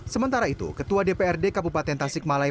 sementara itu ketua dprd kabupaten tasik malaya